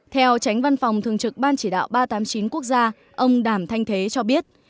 theo tránh văn phòng thường trực ban chỉ đạo ba trăm tám mươi chín quốc gia ông đàm thanh thế cho biết